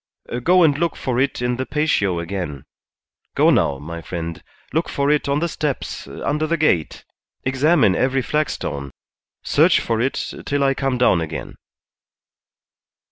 "Go and look for it in the patio again. Go now, my friend; look for it on the steps, under the gate; examine every flagstone; search for it till I come down again.